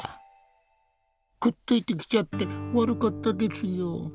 くっついてきちゃって悪かったですよ。